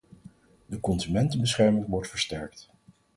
De consumentenbescherming wordt versterkt.